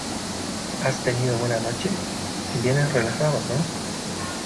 ¿ has tenido buena noche? vienes relajado, ¿ no ?